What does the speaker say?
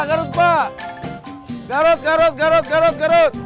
garut garut garut garut garut